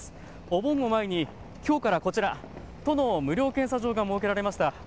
お盆を前にきょうからこちら、都の無料検査場が設けられました。